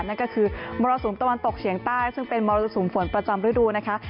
นั่นก็คือมรสุมตะวันตกเฉียงใต้ซึ่งเป็นมรสุมฝนประจำฤดูนะคะ